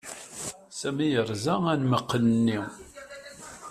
Sami yerẓa anmeqqen-nni.